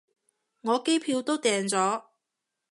我機票都訂咗